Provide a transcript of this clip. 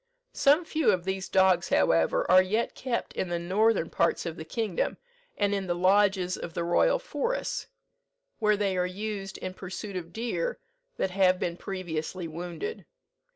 "Some few of these dogs, however, are yet kept in the northern parts of the kingdom, and in the lodges of the royal forests, where they are used in pursuit of deer that have been previously wounded.